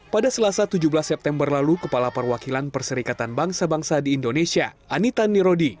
pada selasa tujuh belas september lalu kepala perwakilan perserikatan bangsa bangsa di indonesia anita nirodi